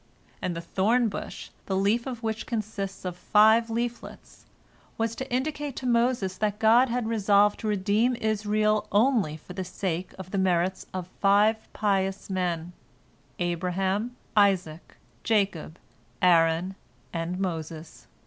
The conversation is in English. And the thorn bush, the leaf of which consists of five leaflets, was to indicate to Moses that God had resolved to redeem Israel only for the sake of the merits of five pious men, Abraham, Isaac, Jacob, Aaron, and Moses.